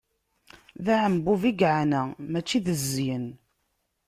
D aɛembub i yeɛna, mačči d zzyen.